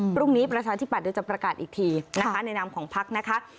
พรุ่งนี้ประชาธิปัตย์เดี๋ยวจะประกาศอีกทีนะคะในนามของพลักษณ์นะคะ